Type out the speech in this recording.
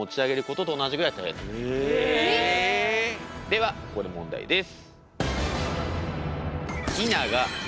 ではここで問題です。